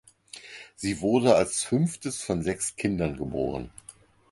Sie wurde als fünftes von sechs Kindern geboren.